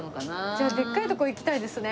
じゃあでっかいとこ行きたいですね